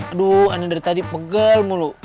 aduh anda dari tadi pegel mulu